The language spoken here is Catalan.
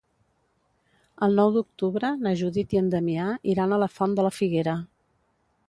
El nou d'octubre na Judit i en Damià iran a la Font de la Figuera.